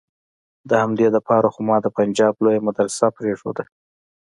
د همدې د پاره خو ما د پنجاب لويه مدرسه پرېخوده.